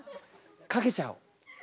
かけちゃおう。